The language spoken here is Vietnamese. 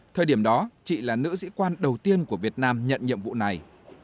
thời điểm đó chị là nữ sĩ quan đầu tiên của việt nam nhận nhiệm vụ này